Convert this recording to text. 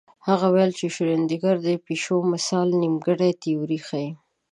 هغه ویل د شرودینګر د پیشو مثال نیمګړې تیوري ښيي.